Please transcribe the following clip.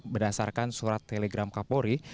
berdasarkan surat telegram kapolri